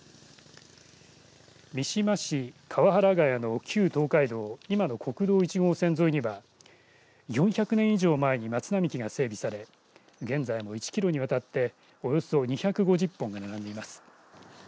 三島市川原ヶ谷の旧東海道、今の国道１号線沿いには４００年以上前に松並木が整備され現在も１キロにわたっておよそ２５０本が並んでいます。